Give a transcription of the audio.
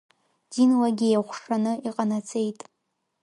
Динлагьы еиҟәшаны иҟанаҵеит.